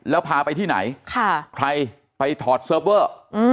แล้วพาไปที่ไหนใครไปถอดเซิร์ฟเวอร์